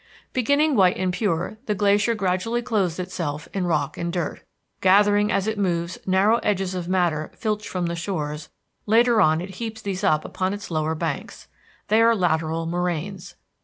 Beginning white and pure, the glacier gradually clothes itself in rock and dirt. Gathering as it moves narrow edges of matter filched from the shores, later on it heaps these up upon its lower banks. They are lateral moraines.